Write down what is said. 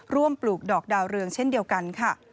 ปลูกดอกดาวเรืองเช่นเดียวกันค่ะ